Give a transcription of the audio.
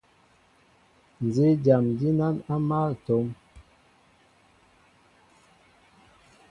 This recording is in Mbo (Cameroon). Nzí dyam dínán á mál a tóm,